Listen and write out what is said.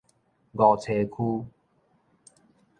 梧棲區